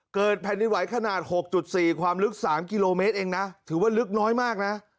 แผ่นดินไหวขนาด๖๔ความลึก๓กิโลเมตรเองนะถือว่าลึกน้อยมากนะ